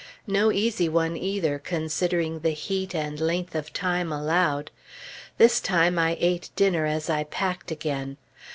No easy one, either, considering the heat and length of time allowed. This time I ate dinner as I packed, again.